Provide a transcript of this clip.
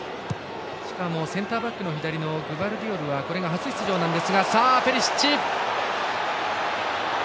しかもセンターバックの左のグバルディオルはこれが初出場です。